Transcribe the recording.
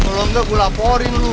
kalau enggak gue laporin lu